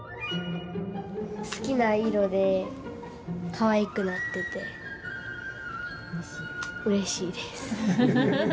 好きな色でかわいくなっててうれしいです。